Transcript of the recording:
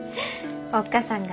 おっ母さんがね